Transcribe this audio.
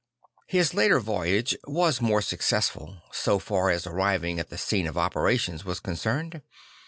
His later voyage was more successful, so far as arriving at the scene of operations was con cerned.